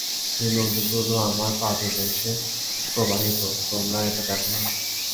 এ নদীগুলো আমার পাদদেশে প্রবাহিত, তোমরা এটা দেখ না?